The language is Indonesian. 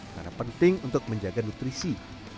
karena penting untuk menjaga nutrisi